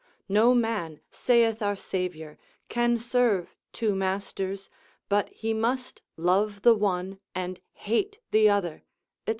No man, saith our Saviour, can serve two masters, but he must love the one and hate the other, &c.